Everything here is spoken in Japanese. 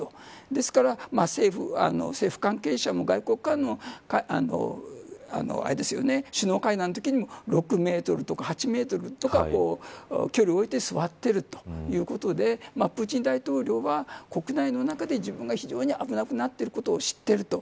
ですから、政府関係者も外国からの首脳会談のときにも６メートルとか８メートルとか距離を置いて座っているということでプーチン大統領は国内の中で自分が非常に危なくなっていることを知っていると。